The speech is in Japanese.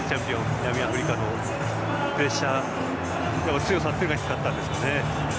南アフリカのプレッシャー強さというのが光ったんですかね。